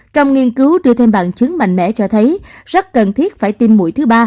trong nghiên cứu đưa thêm bằng chứng mạnh mẽ cho thấy rất cần thiết phải tiêm mũi thứ ba